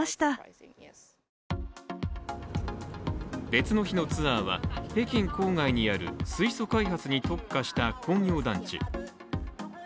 別の日のツアーは、北京郊外にある水素開発に特化した工業団地。